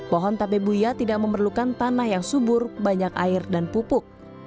pohon tabebuya tidak memerlukan tanah yang subur banyak air dan pupuk